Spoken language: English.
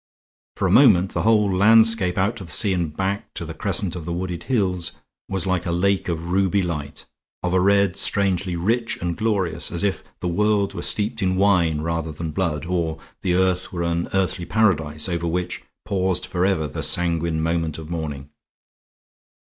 For a moment the whole landscape out to the sea and back to the crescent of the wooded hills was like a lake of ruby light, of a red strangely rich and glorious, as if the world were steeped in wine rather than blood, or the earth were an earthly paradise, over which paused forever the sanguine moment of morning.